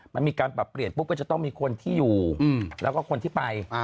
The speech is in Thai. มันมีการปรับเปลี่ยนปุ๊บก็จะต้องมีคนที่อยู่แล้วก็คนที่ไป